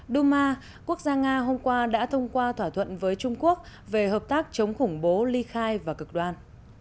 duma quốc gia nga hôm qua đã thông qua thỏa thuận với trung quốc về hợp tác chống khủng bố ly khai và cực đoan